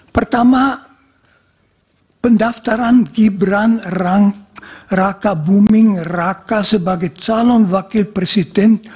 pertama pendaftaran gibran raka buming raka sebagai calon wakil presiden